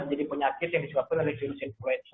jadi penyakit yang disebabkan dari virus influenza